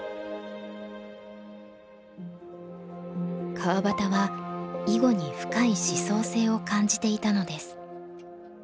川端は囲碁に深い思想性を感じていたのです。